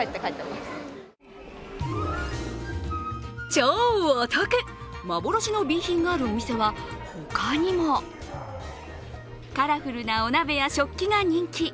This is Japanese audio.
超お得、幻のＢ品があるお店はほかにも。カラフルなお鍋や食器が人気。